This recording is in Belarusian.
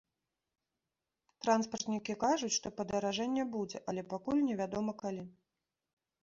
Транспартнікі кажуць, што падаражэнне будзе, але пакуль невядома калі.